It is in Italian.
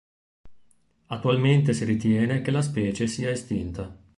Attualmente si ritiene che la specie sia estinta.